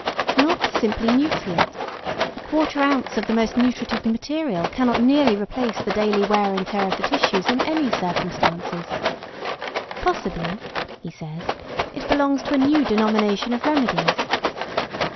"Not simply nutrient 1/4 oz. of the most nutritive material cannot nearly replace the daily wear and tear of the tissues in any circumstances. Possibly," he says, "it belongs to a new denomination of remedies."